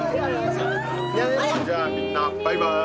じゃあみんなバイバーイ。